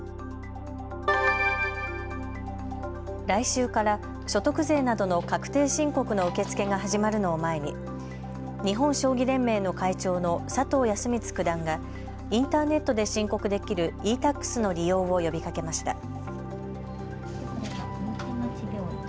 来週から所得税などの確定申告の受け付けが始まるのを前に日本将棋連盟の会長の佐藤康光九段がインターネットで申告できるｅ−Ｔａｘの利用を呼びかけました。